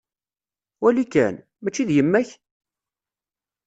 Wali kan! Mačči d yemma-k?